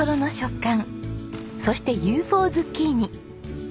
そしてＵＦＯズッキーニ。